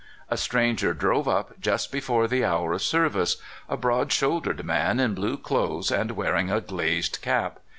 A stranger drove up just be fore the hour of service — a broad shouldered man in blue clothes, and wearing a glazed cap.